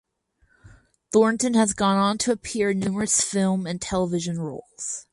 Thornton has gone on to appear in numerous film and television roles.